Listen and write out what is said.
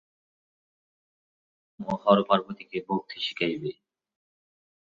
শুদ্ধ সীতারাম ও হরপার্বতীতে ভক্তি শিখাইবে।